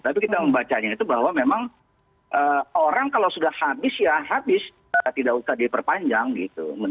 tapi kita membacanya itu bahwa memang orang kalau sudah habis ya habis tidak usah diperpanjang gitu